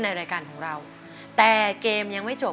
สีหน้าร้องได้หรือว่าร้องผิดครับ